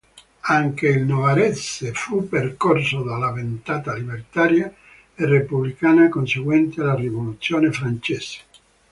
Anche il novarese fu percorso dalla ventata libertaria e repubblicana conseguente alla rivoluzione francese.